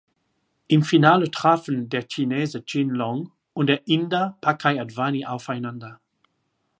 Im Finale trafen der Chinese Jin Long und der Inder Pankaj Advani aufeinander.